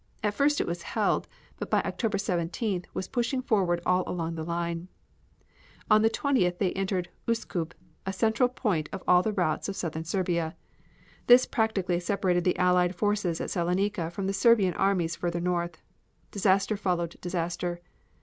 At first it was held, but by October 17th was pushing forward all along the line. On the 20th they entered Uskub, a central point of all the routes of southern Serbia. This practically separated the Allied forces at Saloniki from the Serbian armies further north. Disaster followed disaster.